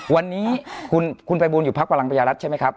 วันนี้คุณภัยบูลอยู่พักพลังประชารัฐใช่ไหมครับ